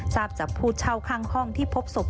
ทราบจากผู้เช่าข้างห้องที่พบศพ